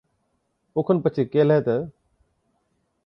او کن پڇي ڪيهلَي تہ،